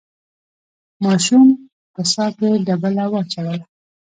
ماشوم په څاه کې ډبله واچوله.